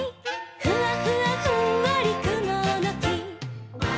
「ふわふわふんわりくものき」